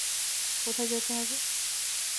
কোথায় যেতে হবে?